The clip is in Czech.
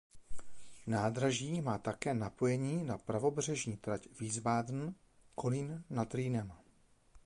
Nádraží má také napojení na pravobřežní trať Wiesbaden–Kolín nad Rýnem.